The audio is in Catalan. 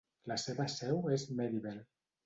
La seva seu és Marieville.